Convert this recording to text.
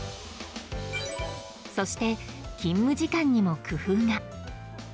そして、勤務時間にも工夫が。